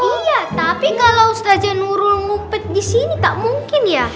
iya tapi kalau ustazah nurul mumpet disini tak mungkin ya